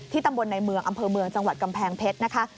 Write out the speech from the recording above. ตำบลในเมืองอำเภอเมืองจังหวัดกำแพงเพชรนะคะ